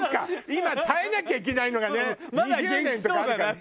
今耐えなきゃいけないのがね２０年とかあるからね。